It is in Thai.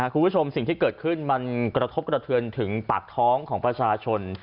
คุณผู้ชมสิ่งที่เกิดขึ้นมันกระทบกระเทือนถึงปากท้องของประชาชน